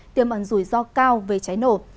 tiêm ẩn rủi ro cao về cháy nổ